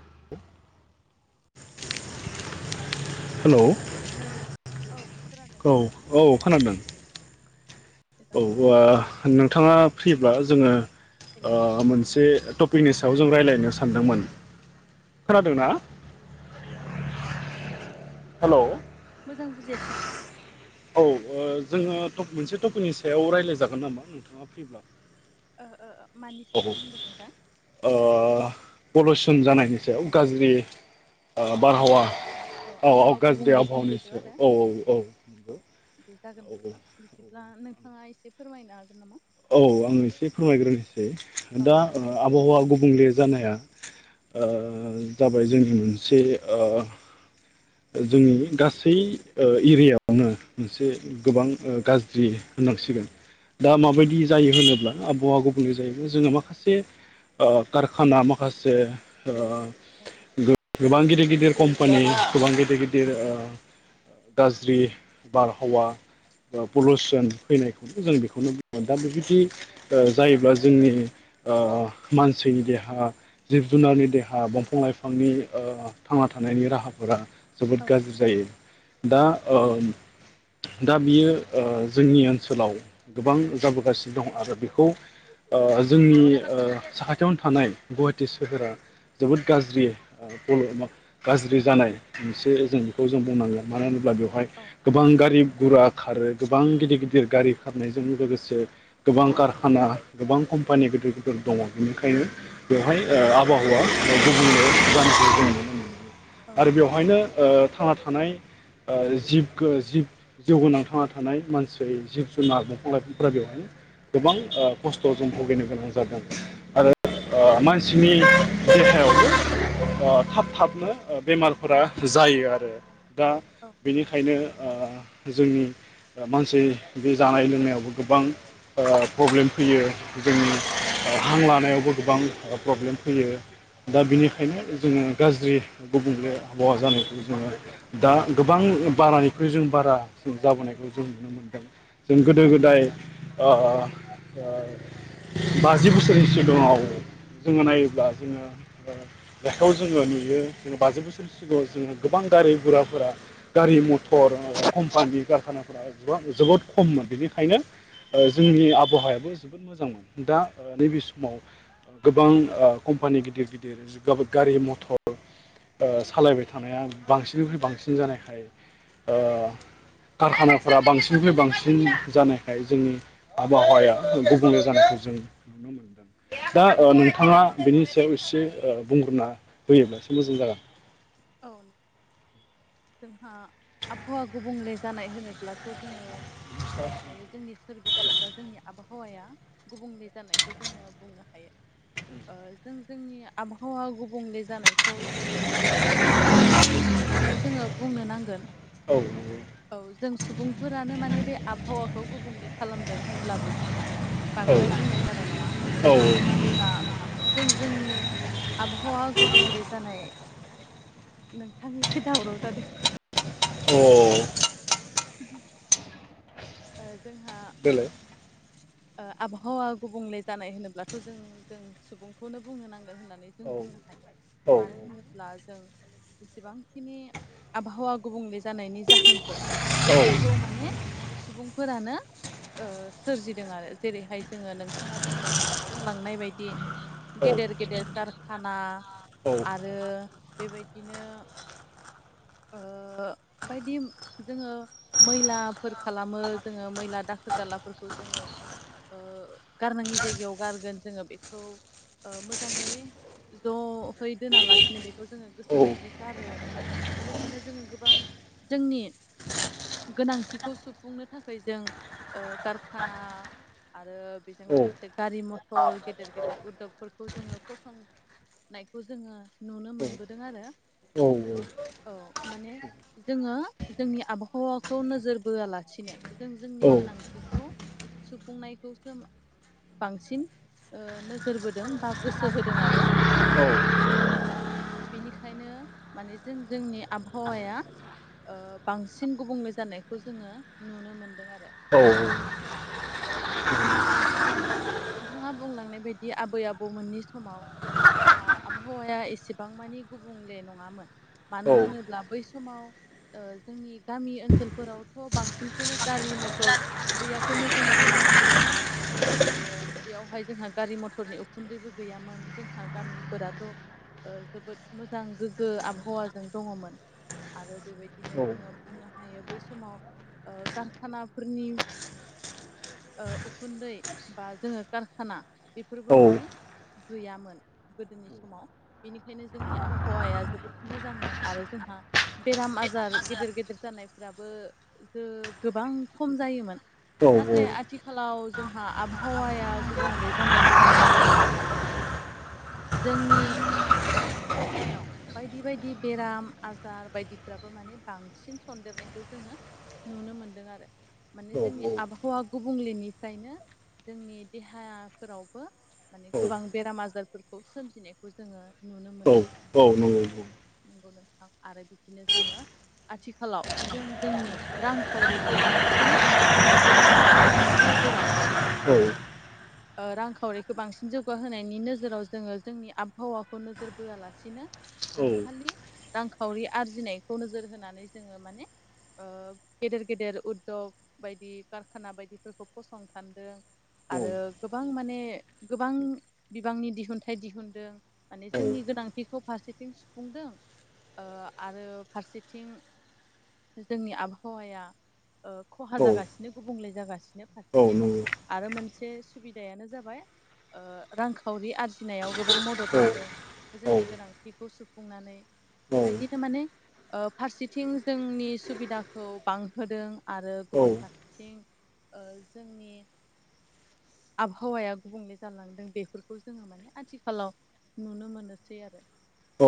[inaudible] हेल' औ खोनादों ना औ खोनादों। हेल' औ नोंथाङा फ्रिब्ला जोङो हेलौ ओ मोनसे ट पैने सायाव जों रायज्लायनो बुजियाखै सानदोंमोन। खोनादोंना हेल' मोजां बुजिसै नोंथां। औ जोङो मोनसे टपिकनि सायाव रायजलायजागोन नामा नोंथाङा फैब्ला ओ ओ ओ मानि सायाव ओनदो नोंथां। ओ पलिउसन जानायनि सायाव गाज्रि ओ औ बारहावा औ औ आबहावा गाज्रि गुबुंले जानायनि आबहावनि आरो सायाव औ औ औ औ नंगौ बे जागोन औ औ नोंथां बिदिब्ला नोंथाङा एसे फोरमायनो हागोन नामा? औ आङो एसे फोरमायग्रोनोसै औ दा ओ आबहावा गुबुंले जानाया ओ जाबाय जोंनि मोनसे ओ जोंनि गासै ओ एरियावनो मोनसे गोबां गाज्रि होननांसिगोन। दा माबायदि जायो होनोब्ला आबहावा गुबुंले जायो जोङो माखासे ओ कारखाना माखासे ओ औ गोबां गिदिर गिदिर कम्पानि गोबां गिदिर गिदिर ओ गाज्रि बारहावा बा पलिुसन फैनायखौनो जों बेखौनो बुंगोन दा बेबायदि ओ जायोब्ला जोंनि ओ मानसिनि देहा जिब जुनारनि देहा दंफां लाइफांनि ओ थांना थानायनि राहा फोरा जोबोद औ गाज्रि जायो औ दा ओ दा बियो ओ जोंनि ओनसोलाव गोबां जाबोगासिनो दं आरो बेखौ। ओ जोंनि ओ साखाथियावनो थानाय गुवाहाटि सोहोरा जोबोद गाज्रि। ओ गाज्रि जानाय मोनसे जों बेखौ जों बुंनांगोन मानो होनोब्ला बेवहाय। औ। गोबां गारि गुरा खारो गोबां गिदिर गिदिर गारि खारनायजों लोगोसे। गोबां कारखाना गोबां कम्पानि गिदिर गिदिर दङ बेनिखायनो बेवहाय ओ आबहावा [unintelligible] गुबुंनो जान दङ औ आरो बेवहायनो ओ थांना थानाय ओ जिब जिब जिउगोनांथांना थानाय मानसि जिब जुनार दंफां लाइफांफ्रा बेवहाय। गोबां औ ओ खस्थ' जों भुगिनो गोनां जादों। आरो ओ मानसिनि देहायावबो ओ थाब थाबनो ओ बेमारफोरा जायो आरो दा औ बेनिखायनो ओ जोंनि। मानसि बे जानाय लोंनायावबो गोबां। ओ प्रब्लेम फैयो जोंनि ओ हां लानायावबो ओ गोबां प्रब्लेम फैयो। दा बिनिखायनो जोङो गाज्रि गुबुंले आबहावा जानायखौ जोङो। दा गोबां बारानिख्रुइ जों बारा जाबोनायखौ जों नुनो मोनदों। जों औ गोदो-गोदाय बाजि बोसोरनि सिगाङाव जोङो नायोब्ला जोङो। लेखायाव जोङो नुयो जोङो बाजि बोसोरनि सिगाङाव जोङो गोबां गारि गुराफोरा। गारि मथर कम्पानि कारखानाफोरा जोबोद खममोन बेनिखायनो। जोंनि आबहावायाबो जोबोद मोजांमोन दा नैबे समाव गोबां कम्पानि गिदिर गिदिर गारि मथर। ओ सालायबाय थानाया बांसिननिख्रुइ बांसिन जानायखाय ओ कारखानाफोरा बांसिननिख्रुइ बांसिन जानायखाय जोंनि। आबहावाया गुबुंले जानायखौ जों नुनो मोनदों। दा औ ओ नोंथाङा बेनि सायाव एसे बुंग्रोनना होयोब्ला एसे मोजां जागोन। औ। जोंहा आबहावा गुबुंले जानाय होनोब्लाथ' जोङो बुंनो हायो। जोंनि सोरबिथिं बा जोंनि आबहावाया गुबुंले जानायखौ जोङो बुंनो हायो। जों जोंनि आबहावा गुबुंले जानायखौ जों जों सुबुं माहारिखौनो जोङो बुंनो नांगोन। औ। औ जों सुबुंफोरानो माने बे आबहावाखौ गुबुंले खालामदों होनब्लाबो जोङो। बांद्राय नंगौ बुंनाय जानाय नङा औ मानो होनोब्ला। जों जोंनि आबहावा गुबुंले जानाय। नोंथां एसे दावराव जादों। औ जोंहा बि दलै। आबहावा गुबुंले जानाय होनोब्लाथ' जों जों सुबुंखौनो बुंनो नांगोन होननानै जों औ बुंनो हायो औ मानो होनो। ब्ला जों एसेबांखिनि आबहावा गुबुंले जानायनि जाहोनफोर। औ बेफोरखौ माने सुबुंफोरानो सोरजिदों आरो जेरैहाय जोङो नोंथाङा बुंलाय बुंलांनाय बायदि। औ गेदेर गेदेर कारखाना औ औ आरो बेबायदिनो। बायदि जोङो मैला खालामो जोङो मैला दाखोर दालाफोरखौ जोङो। गारनाङि जायगायाव गारगोन जोङो बेखौ मोजाङै। ज'है दोनालासिनो बेखौ जोङो औ नंगौ गोसोबायदि गारो बेबायदिनो जोङो गोबां जोंनि गोनांथि खौ सुफुंनो थाखाय जों कारखाना आरो बेजों औ लोगोसे गारि मथर गेदेर गेदेर उदगफोरखौ जोङो फसं नायखौ जोङो नुनो मोनबोदों आरो। औ औ औ माने जोङो जोंनि आबहावाखौ नोजोर बोआलासिनो जों जोंनि गोनांथिखौ सुफुंनायखौसो बांसिन नोजोरबोदों बा गोसो होदों आरो आथिखालाव सुबुंफोरा बेनिखायनो माने जों जोंनि आबहावाया बांसिन गुबुंले जानायखौ जोङो नुनो मोनदों आरो। जोङो सिगां नोंथाङा बुंलांनाय बायदि आबै आबौमोननि समाव जोंहा आबहावाया एसेबां मानि गुबुंले नङामोन। मानो होनोब्ला बै समाव जोंनि गामि ओनसोलफोरावथ' बांसिनखौनो गारि मथर गैयाखौनो जोङो बुंनो हायोमोन। आरो बेयावहाय जोंहा गारि मथरनि उखुन्दैबो गैयामोन जोंहा गामिफोराथ' जोबोद मोजां गोग्गो आबहावाजों दङमोन। आरो बेबायदिनो जोङो बुंनो हायो बै समाव कारखानाफोरनि उखुन्दै बा जोङो कारखाना बेफोरबो माने गैयामोन। गोदोनि समाव बेनिखायनो जोंनि आबहावाया जोबोद मोजांमोन आरो जोंहा बेराम आजार गेदेर गेदेर जानायफ्राबो गोबां खम जायोमोन। नाथाय आथिखालाव जोंहा आबहावाया गुबुंले जानाय लोगो लोगो जोंनि देहायाव बायदि बायदि बेराम आजार बायदिफ्राबो माने बांसिन सन्देरनायखौ जोङो नुनो मोन्दों आरो माने जोंनि आबाखौावआ गुब गुंलेनिफ्रायनो जोंनि देहाफोरावबो माने गोबां बेराम आजारफोरखौ सोमजिनायखौ जोङो नुनो औ मोनो औ नंगौ बुं नंगौ नोंथां आरो बिदिनो जोङो आथिखालाव जों जोंनि रांखावरिखौ बांसिन जौग होनायनि नोजोराव [inaudible] रांखावरिखौ बांसिन जौगाहोनायनि नोजोराव जोङो जोंनि आबहावाखौ नोजोर बोआलासिनो जों खालि रांखावरि आरजिनायखौ नोजोर होनानै जोङो माने गेदेर गेदेर उद्दग बायदि कारखाना बायदिफोरखौ फसंथानदों औ आरो गोबां माने गोबां बिबांनि दिहुनथाइ दिहुनदों। माने औ औ जोंनि गोनांथिखौ फारसेथिं सुफुंदों आरो फारसेथिं जोंनि आबहावाया खहा औ जागासिनो गुबुंले जागासिनो औ फारसेथिं नंगौ आरो मोनसे सुबिदायानो जाबाय रांखावरि आरजिनायाव गोबां मदद मोनदों। औ जोंनि गोनांथिखौ सुफुंनानै औ बेबायदिनो माने फारसेथिं जोंनि सुबिदाखौ बांहोदों आरो औ गुबुन फारसेथिं जोंनि आबहावाया गुबुंले जालांदों बेफोरखौ जोङो माने आथिखालाव नुनो मोनोसै आरो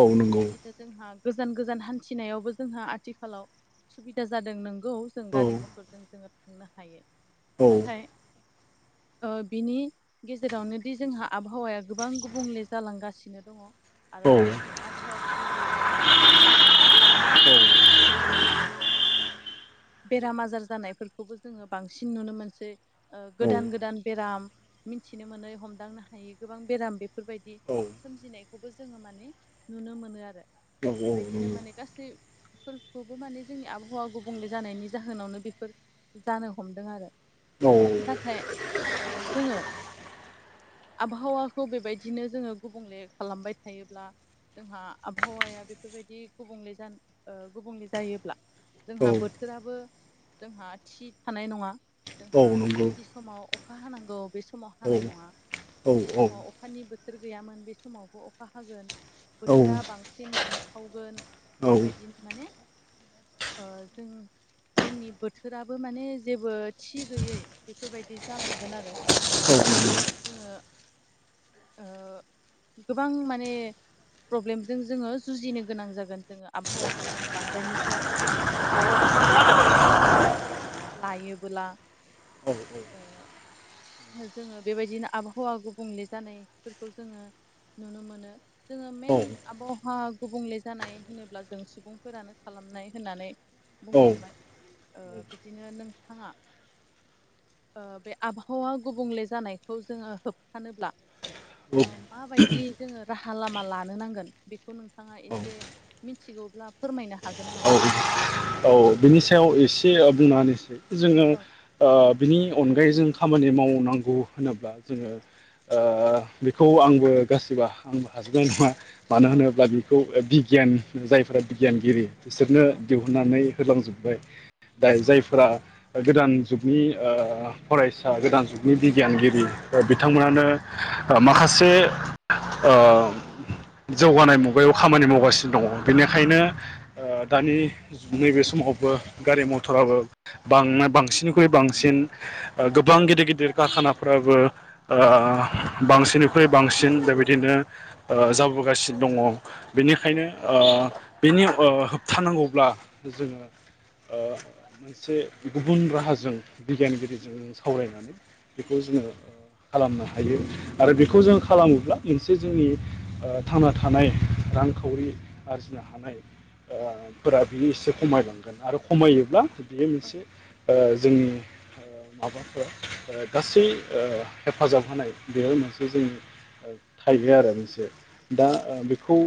औ नंगौ बिदि जोंहा गोजान गोजान हान्थिनायावबो जोंहा आथिखालाव सुबिदा जादों नंगौ जों औ गारि मथरजों जोङो थांनो हायो। औ नाथाय बिनि गेजेरावनो दि जोंहा आबहावाया गोबां गुबुंले जालांगासिनो दङ। आरो औ फारसेथिं आबहावा गुबुंले जानायजों जोंनि बेराम आजार जानायफोरखौबो जोङो बांसिन नुनो मोनसै औ गोदान गोदान बेराम मिथिनो मोनै हमदांनो हायै गोबां बेराम बेफोरबायदि औ सोमजिनायखौबो जोङो माने नुनो मोनो आरो औ बेबायदिनो नंगौ माने गासैफोरखौबो माने जोंनि आबहावा गुबुंले जानायनि जाहोनावनो बेफोर जानो हमदों आरो औ नाथाय जोङो आबहावाखौ बेबायदिनो जोङो गुबुंले खालामबाय थायोब्ला जोंहा आबहावाया बेफोरबायदि गुबुंले जा गुबुंले जायोब्ला जोंहा औ बोथोराबो जोंहा थि थानाय नङा औ जोंहा नंगौ समाव अखा हानांगौ बे समाव औ औ नंगौ औ हानाय नङा जि औ औ समाव अखा अखानि बोथोर गैयामोन बे समावबो अखा हागोन बोथोरा बांसिन दुंखावगोन बेबायदिनो माने जों जोंनि बोथोराबो माने जेबो थि गैयै बेफोरबायदि जालांगोन आरो बेबायदिनो जोङो गोबां माने प्रब्लेमजों जोङो जुजिनो गोनां जागोन जोङो आबहावाखौ जोङो बांद्रायनिफ्राय बांद्राय बेफोरबायदि गुबुंले खालामनानै लायोबोला जोङो बेबायदिनो आबहावा गुबुंले जानायफोरखौ जोङो नुनो मोनो जोङो मेन आबहावा गुबुंले जानाय होनोब्ला जों सुबुंफोरानो खालामनाय होननानै बुंलांबाय बिदिनो नोंथाङा बे आब आबहावा गुबुंले जानायखौ जोङो होबथानोब्ला माबायदि जोङो राहा लामा लानो नांगोन बेखौ नोंथाङा औ एसे मिथिगौब्ला फोरमायनो हागोन नामा औ औ औ बिनि सायाव एसे बुंना होनोसै जोङो औ बिनि अनगायै जों खामानि मावनांगौ होनोब्ला जोङो बेखौ आंबो गासिबो आंबो हाजोबनाय नङा मानो औ होनोब्ला बिखौ बिगियान जायफोरा बिगियानगिरि बिसोरनो औ औ दिहुुननानै होलांजोब्बाय दा औ जायफोरा गोदान जुगनि फरायसा गोदान जुगनि बिगियानगिरि औ बिथांमोनानो माखासे जौगानाय मुगायाव खामानि मावगासिनो दङ बेनिखायनो दानि नैबे सम समावबो गारि मथराबो बां बांसिननिख्रुइ बांसिन गोबां गिदिर गिदिर कारखानाफ्राबो बांसिननिख्रुइ बांसिन बेबायदिनो जाबोगासिनो दङ औ बेनिखायनो बेनि होबथानांगौब्ला जोङो मोनसे गुबुन राहाजों बिगियानगिरिजों सावरायनानै बेखौ जोङो खालामनो हायो आरो औ बेखौ जों खालामोब्ला मोनसे जोंनि थांना थानाय रांखावरि आरजिनो हानाय औ फोरा बियो एसे खमायलांगोन आरो खमायोब्ला बेयो औ मोनसे जोंनि माबाफोरा गासै हेफाजाब होनाय बेयो मोनसे जोंनि थाइबाय आरो मोनसे दा बेखौ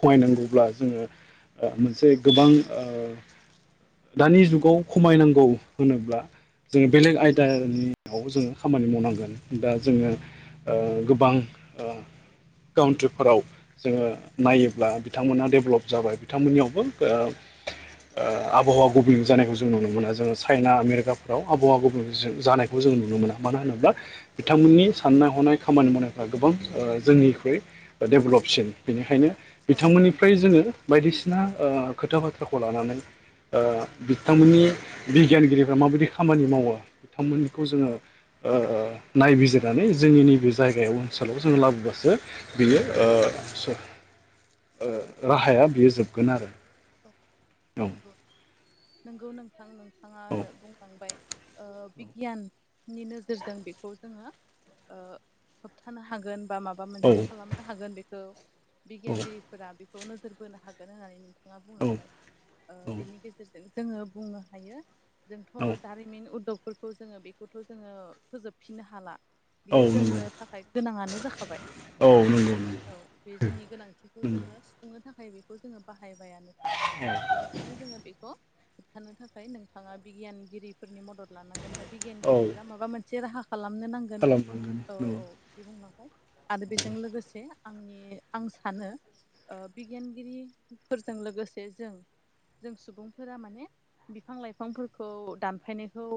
खमायनांगौब्ला जोङो मोनसे गोबां दानि जुगाव खमायनांगौ होनोब्ला जोङो बेलेग आयदानियाव जोङो खामानि मावनांगोन दा जोङो गोबां काउन्ट्रिफोराव जोङो नायोब्ला बिथांमोना डेभलप जाबाय बिथांमोननियावबो आबहावा गुबुंले जानायखौ जों नुनो मोना जोङो चाइना आमेरिकाफोराव आबहावा गुबुंले जानाय खौ जों नुनो मोना मानो होनोब्ला बिथांमोननि साननाय हनाय खामानि मावनायफ्रा गोबां जोंनिख्रुइ डेभेलपसिन बेनिखायनो औ बिथांमोननिफ्राय जोङो बायदिसिना खोथा बाथ्राखौ लानानै बिथांमोननि बिगियानगिरिफ्रा माबायदि खामानि मावो खामानिखौ जोङो औ नायबिजिरनानै जोंनि नैबे जायगायाव ओनसोलाव जों लाबोबासो बियो राहाया बियो जोबगोन आरो औ नंगौ नंगौ नोंथां नोंथाङा औ बुंखांबाय बिगियाननि नोजोरजों बेखौ जोङो होबथानो हागोन बा माबा माबा औ मोनसे खालामनो हागोन बेखौ औ बिगियानगिरिफोरा बेखौ नोजोर बोनो हागोन होननानै नोंथां बिथाङा औ बुंलांबाय औ बिनि गेजेरजों जोङो बुंनो हायो जोंथ' औ दारिमिन उदगफोरखौ जोङो बेखौथ' जोङो फोजोबफिननो हाला औ बियो नंगौ जोंनो थाखाय गोनाङानो जाखाबाय औ नंगौ नंगौ औ बे जोंनि गोनांथिखौ नंगौ जोङो सुफुंनो थाखाय बेखौ जोङो बाहायबायानोखा ए [unintelligible] बेनिखायनो जोङो बेखौ होबथानो थाखाय नोंथाङा बिगियानगिरिफोरनि मदद लानांगोन बा औ बिगियानगिरिफोरा माबा मोनसे राहा खालामनो नांगोन [unintelligible] खालामनांगोन औ-औ बिदि बुंलांबाय आरो औ बेजों लोगोसे आंनि आं सानो ओ बिगियानगिरि फोरजों लोगोसे जों जों सुबुंफोरा माने बिफां लाइफांफोरखौ दानफायनायखौ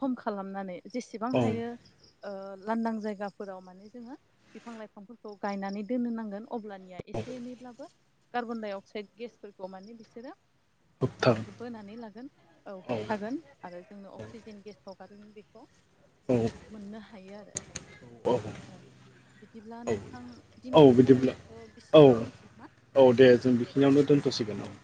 खम खालामनानै जेसेबां औ हायो लांदां जायगाफोराव माने जोङो बिफां लाइफांफोरखौ गायनानै दोननो नांगोन अब्लानिया एसे एनैब्लाबो कार्बन डाइ अक्साइड गेसफोरखौ माने बिसोरो होबथार औ बोनानै लागोन औ होबथागोन आरो जोंनो अक्सिजेन गेस हगारगोन बेखौ जोङो औ मोननो हायो आरो औ बिदिब्ला औ नोंथां औ दिनैनि बिदिब्ला सावरायनायखौ औ बिसिनियावनो दोननैसै नामा औ दे जों बेखिनियावनो दोनथ'सिगोन औ